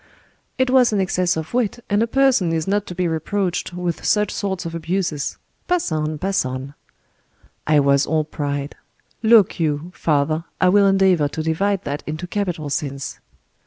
"It was an excess of wit, and a person is not to be reproached with such sorts of abuses. Pass on, pass on!" "I was all pride. Look you, father, I will endeavor to divide that into capital sins."